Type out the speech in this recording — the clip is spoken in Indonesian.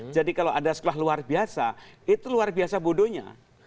jadi kalau ada sekolah luar biasa itu luar biasa bodohnya